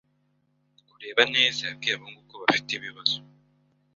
Kureba neza yabwiye abahungu ko bafite ibibazo.